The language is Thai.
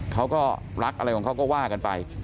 เขาก็รักอะไรของเขาก็ว่ากันไป